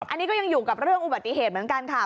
อันนี้ก็ยังอยู่กับเรื่องอุบัติเหตุเหมือนกันค่ะ